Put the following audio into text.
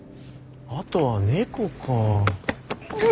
あとは猫か。